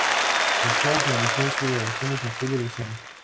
El show finalizó sus grabaciones en julio de ese año.